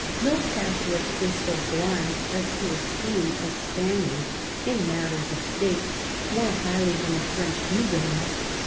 " No Catholic is so blind as to esteem a Spaniard, in matters of State, more highly than a French Huguenot."